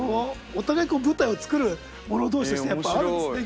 お互い舞台を作る者同士としてやっぱあるんですね。